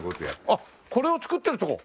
あっこれを作ってるとこ！